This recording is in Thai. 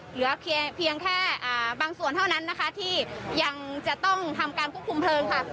เหลือเพียงแค่บางส่วนเท่านั้นนะคะที่ยังจะต้องทำการควบคุมเพลิงค่ะ